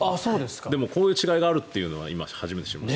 でも、こういう違いがあるっていうのは今、初めて知りました。